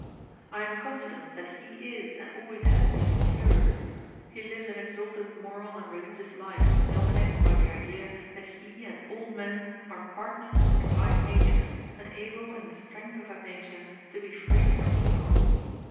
I am confident that he is and always has been pure. He lives an exalted moral and religious life dominated by the idea that he and all men are partners of the divine nature, and able in the strength of that nature to be free from evil.